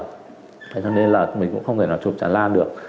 thế cho nên là mình cũng không thể nào chụp tràn lan được